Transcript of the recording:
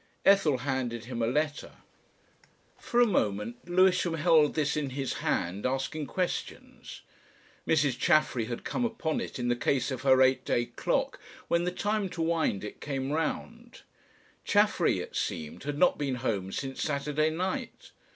Ethel handed him a letter. For a moment Lewisham held this in his hand asking; questions. Mrs. Chaffery had come upon it in the case of her eight day clock when the time to wind it came round. Chaffery, it seemed, had not been home since Saturday night.